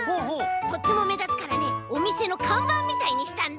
とってもめだつからねおみせのかんばんみたいにしたんだ！